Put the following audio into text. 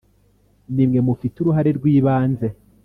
nimwe mufite uruhare rw’ibanze